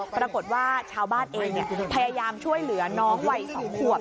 ปรากฏว่าชาวบ้านเองพยายามช่วยเหลือน้องวัย๒ขวบ